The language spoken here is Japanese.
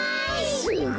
すごい！